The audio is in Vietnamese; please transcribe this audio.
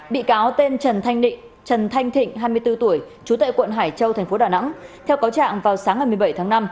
bị cáo tên trần thanh thịnh hai mươi bốn tuổi trú tại quận hải châu tp đà nẵng theo cáo trạng vào sáng hai mươi bảy tháng năm